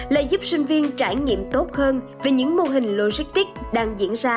là giúp sinh viên trải nghiệm tốt hơn về những mô hình logistics đang diễn ra